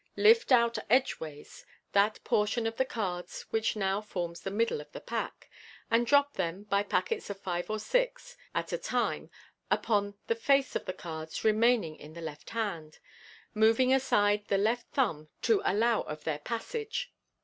12) lift out edgeways that portion of the cards which now forms the middle of the pack, and drop them by packets of five or six at a time upon the face of the cards remaining in the left hand, moving aside the left thumb to allow of their passage.